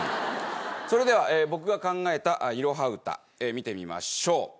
それでは僕が考えたいろは歌見てみましょう。